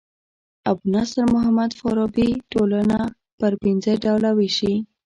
ابو نصر محمد فارابي ټولنه پر پنځه ډوله ويشي.